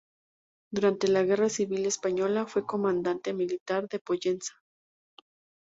Durante la Guerra Civil Española, fue comandante militar de Pollensa.